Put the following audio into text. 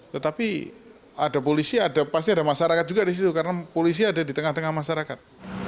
tetapi ada polisi ada pasti ada masyarakat juga di situ karena polisi ada di tengah tengah masyarakat